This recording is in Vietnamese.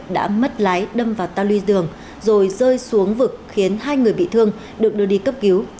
đã mất lái đâm vào tàu ly dường rồi rơi xuống vực khiến hai người bị thương được đưa đi cấp cứu